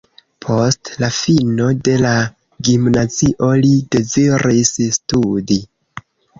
Post la fino de la gimnazio li deziris studi.